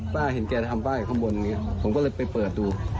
ป้าเห็นแกทำป้าอยู่ข้างบนผมก็เลยไปเปิดดู